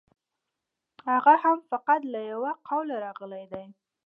هغه هم فقط له یوه قوله راغلی دی.